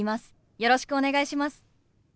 よろしくお願いします。